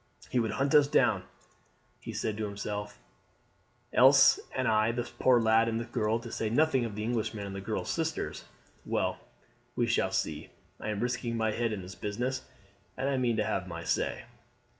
"He would hunt us all down," he said to himself, "Elise and I, this poor lad and the girl, to say nothing of the Englishman and the girl's sisters. Well, we shall see. I am risking my head in this business, and I mean to have my say."